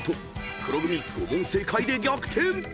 黒組５問正解で逆転！］